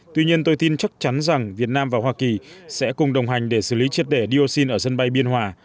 tuy nhiên tôi tin chắc chắn rằng việt nam và hoa kỳ sẽ cùng đồng hành để xử lý triệt để dioxin ở sân bay biên hòa